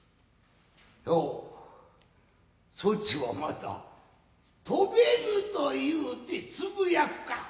おうそちはまた飛べぬというてつぶやくか。